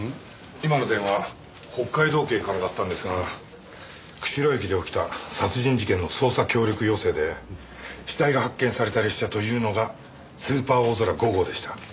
今の電話北海道警からだったんですが釧路駅で起きた殺人事件の捜査協力要請で死体が発見された列車というのがスーパーおおぞら５号でした。